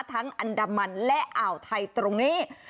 อันดามันและอ่าวไทยตรงนี้